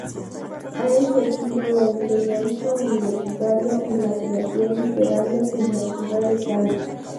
Ha ejercido la enseñanza universitaria y la creación literaria en la ciudad de Cali.